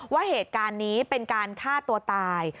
ว่าเหตุการณ์นี้เป็นการฆ่าตัวตาย